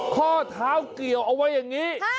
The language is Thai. ข้อเท้าเกี่ยวเอาไว้อย่างนี้